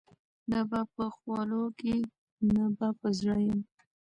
نه به په خولو کي نه به په زړه یم